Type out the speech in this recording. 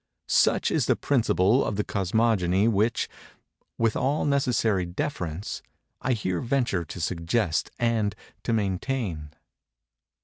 Such is the principle of the Cosmogony which, with all necessary deference, I here venture to suggest and to maintain.